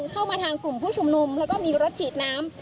เข้ามาทางกลุ่มผู้ชุมนุมแล้วก็มีรถฉีดน้ำ